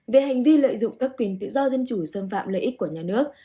về hành vi lợi dụng các quyền tự do dân chủ xâm phạm lợi ích của nhà nước